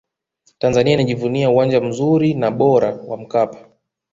tanzania inajivunia uwanja mzuri na bora wa mkapa